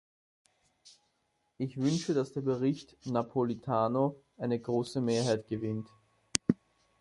Ich wünsche, dass der Bericht Napolitano eine große Mehrheit gewinnt.